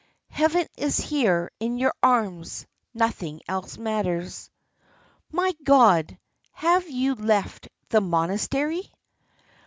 Heaven is here, in your arms. Nothing else matters." "My God! Have you left the monastery!"